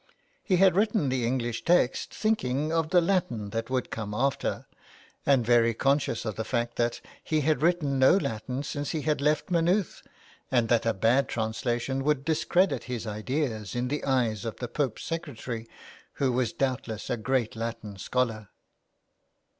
He had written the English text thinking of the Latin that would come after, and very conscious of the fact that he had written no Latin since he had left Maynooth, and that a bad translation would dis credit his ideas in the eyes of the Pope's secretary, who was doubtless a great Latin scholar.